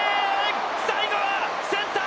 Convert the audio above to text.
最後はセンター